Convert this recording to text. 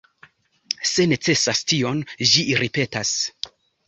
Se necesas tion ĝi ripetas.